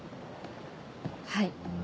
はい。